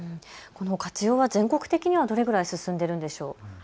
活用は全国的にはどのくらい進んでいるんでしょうか。